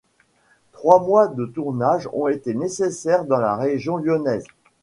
Trois mois de tournage ont été nécessaires dans la région lyonnaise.